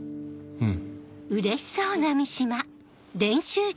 うん！